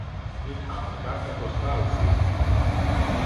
Il ha un carta postal ci.